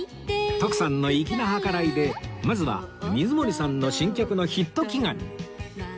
徳さんの粋な計らいでまずは水森さんの新曲のヒット祈願に